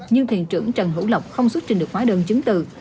nhưng thiền trưởng trần hữu lộc không xuất trình được hóa đơn chứng từ